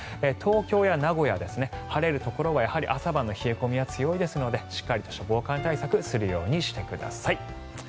東京や名古屋は晴れるところは朝晩の冷え込みが強いですのでしっかりとした防寒対策をするようにしてください。